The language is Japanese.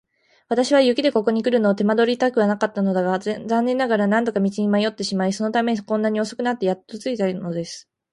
私は雪でここにくるのを手間取りたくなかったのだが、残念ながら何度か道に迷ってしまい、そのためにこんなに遅くなってやっと着いたのです。